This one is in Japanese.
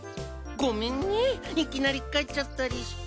ごめんねいきなり帰っちゃったりして。